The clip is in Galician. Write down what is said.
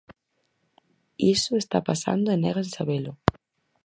Iso está pasando e néganse a velo.